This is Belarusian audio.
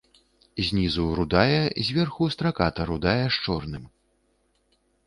Знізу рудая, зверху страката рудая з чорным.